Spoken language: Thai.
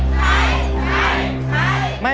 ใช่